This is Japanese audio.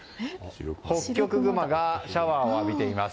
ホッキョクグマがシャワーを浴びています。